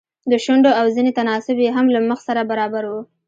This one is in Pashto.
د شونډو او زنې تناسب يې هم له مخ سره برابر و.